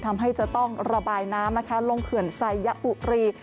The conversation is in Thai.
ทำให้จะต้องระบายน้ำนะคะลงเขื่อนไซยปุรี